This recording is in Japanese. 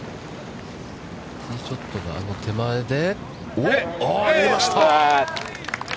ティーショットがあの手前で。